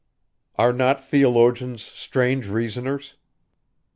Are not theologians strange reasoners?